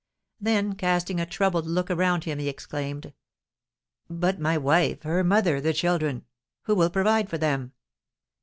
Then, casting a troubled look around him, he exclaimed: "But my wife! Her mother! The children! Who will provide for them?